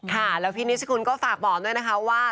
ค่ะแล้วพี่นิสกุลก็ฝากบอกด้วยนะคะว่า